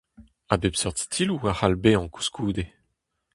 A bep seurt stiloù a c'hall bezañ koulskoude.